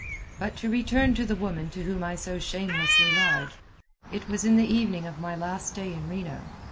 But to return to the woman to whom I so shamelessly lied. It was in the evening of my last day in Reno.